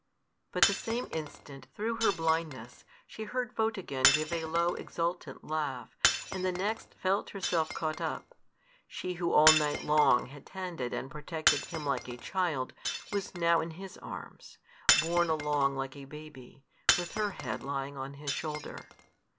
But the same instant, through her blindness, she heard Photogen give a low exultant laugh, and the next felt herself caught up: she who all night long had tended and protected him like a child, was now in his arms, borne along like a baby, with her head lying on his shoulder.